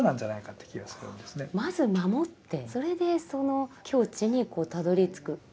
まず守ってそれでその境地にたどりつく。